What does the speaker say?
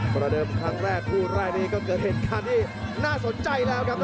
ประเดิมครั้งแรกคู่แรกนี้ก็เกิดเหตุการณ์ที่น่าสนใจแล้วครับ